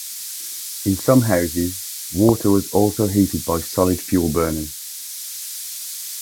In some houses water was also heated by solid fuel burners.